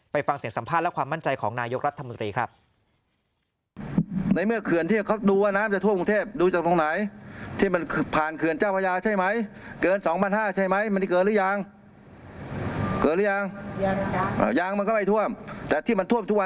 ฟังเสียงสัมภาษณ์และความมั่นใจของนายกรัฐมนตรีครับ